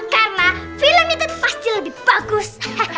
karena film itu pasti lebih bagus